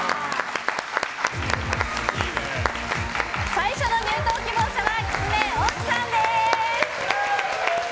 最初の入党希望者はきつね、大津さんです。